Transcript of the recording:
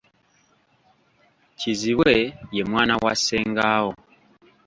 Kizibwe ye mwana wa ssengaawo.